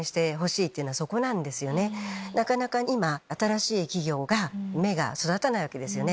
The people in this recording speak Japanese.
なかなか今新しい企業が芽が育たないわけですよね。